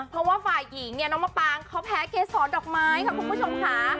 เพราะว่าฝ่ายหญิงเนี่ยน้องมะปางเขาแพ้เกษรดอกไม้ค่ะคุณผู้ชมค่ะ